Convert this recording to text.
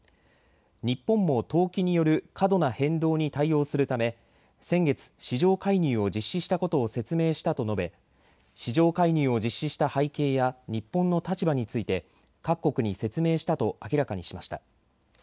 日本も投機による過度な変動に対応するため先月、市場介入を実施したことを説明したと述べ市場介入を実施した背景や日本の立場について各国に説明したと明らかにしました。